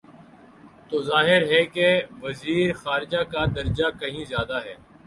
تو ظاہر ہے کہ وزیر خارجہ کا درجہ کہیں زیادہ ہے۔